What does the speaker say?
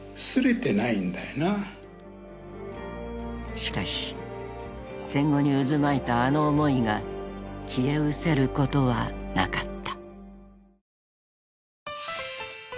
［しかし戦後に渦巻いたあの思いが消えうせることはなかった］